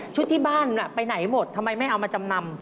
ที่บ้านไปไหนหมดทำไมไม่เอามาจำนำ